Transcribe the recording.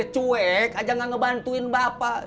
cuek aja gak ngebantuin bapak